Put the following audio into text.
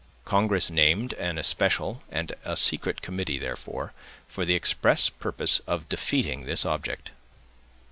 Congress named an especial and a secret committee, therefore, for the express purpose of defeating this object.